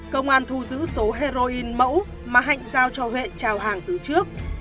công an thu giữ số heroin mẫu mà hạnh giao cho huyện trào hàng từ trước